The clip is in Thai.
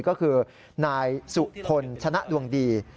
ก็คือนายสุพลชนะดวงดี